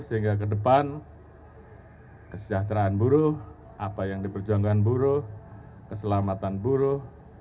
sehingga ke depan kesejahteraan buruh apa yang diperjuangkan buruh keselamatan buruh